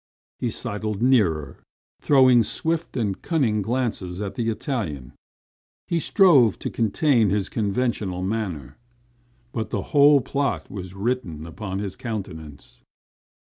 He sidled nearer, throwing swift and cunning glances at the Italian. He strove to maintain his conventional manner, but the whole plot was written upon his countenance.